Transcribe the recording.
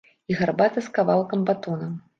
І гарбата з кавалкам батона.